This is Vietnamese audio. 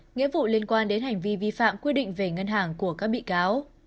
nghĩa vụ liên quan đến hành vi vi phạm quy định về ngân hàng của các bị cáo